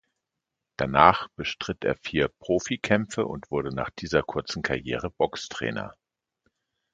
Danach bestritt er vier Profikämpfe und wurde nach dieser kurzen Karriere Boxtrainer.